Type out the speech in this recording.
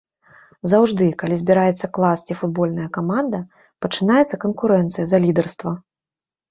Заўжды, калі збіраецца клас ці футбольная каманда, пачынаецца канкурэнцыя за лідарства.